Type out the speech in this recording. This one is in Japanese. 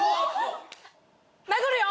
殴るよ！